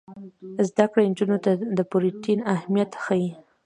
زده کړه نجونو ته د پروټین اهمیت ښيي.